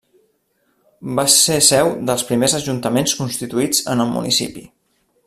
Va ser seu dels primers ajuntaments constituïts en el municipi.